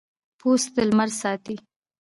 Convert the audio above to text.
پوست د لمر ساتي.